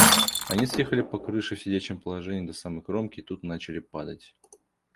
Они съехали по крыше в сидячем положении до самой кромки и тут начали падать.